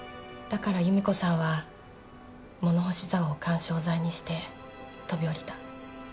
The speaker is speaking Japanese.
だから由美子さんは物干しざおを緩衝材にして飛び降りた。